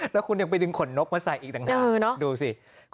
แล้วคุณยังไปดึงขนนกมาใส่อีกต่างหากดูสิ